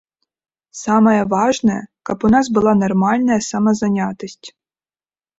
Самае важнае, каб у нас была нармальная самазанятасць.